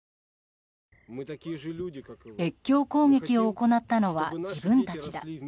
越境攻撃を行ったのは自分たちだ。